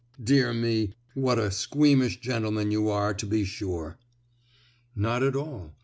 Ha ha! dear me, what a squeamish gentleman you are to be sure!" "Not at all.